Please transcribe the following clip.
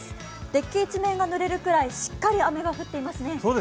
デッキ一面がぬれるくらいしっかり雨が降っていますね。